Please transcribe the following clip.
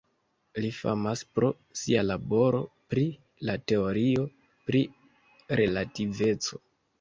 Li famas pro sia laboro pri la teorio pri relativeco.